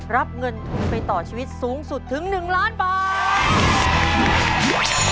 รับเงินทุนไปต่อชีวิตสูงสุดถึง๑ล้านบาท